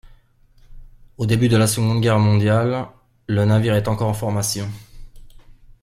Au début de la Seconde Guerre mondiale, le navire est encore en formation.